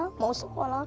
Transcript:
ketua tua mereka berdua